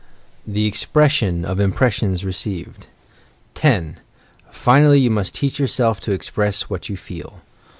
THE EXPRESSION OP IMPRESSIONS RECEIVED 10. Finally, you must teach yourself to express what you feel.